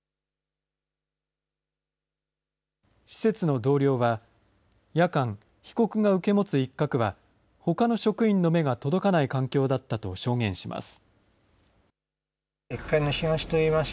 施設の同僚は、夜間、被告が受け持つ一角はほかの職員の目が届かない環境だったと証言します。